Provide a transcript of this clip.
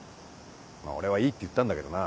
俺はいいって言ったんだけどな。